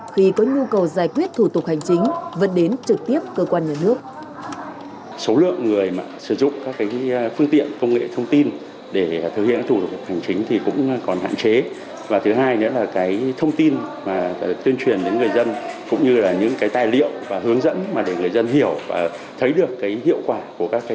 khi có nhu cầu giải quyết thủ tục hành chính vẫn đến trực tiếp cơ quan nhà nước